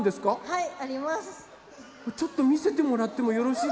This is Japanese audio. はい。